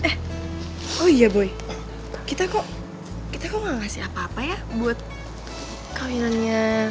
eh oh iya buy kita kok kita kok nggak ngasih apa apa ya buat kawinannya